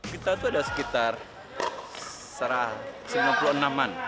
kita itu ada sekitar sembilan puluh enam an